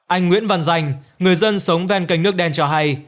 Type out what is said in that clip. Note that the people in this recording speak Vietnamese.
anh nguyễn văn danh người dân sống ven canh nước đen cho hay